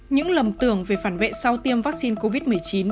những lầm tưởng về phản vệ sau tiêm vaccine covid một mươi chín